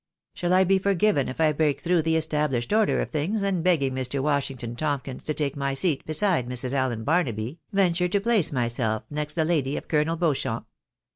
Shall I be forgiven if I break through the established order of things, and, begging Mr. Washington Tomkins to take my seat beside Mrs. Allen Barnaby, venture to place myself next the lady of Colonel Beauchamp